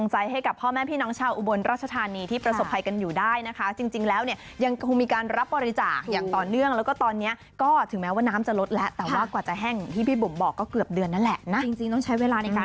ในการที่ออกมาทำความดี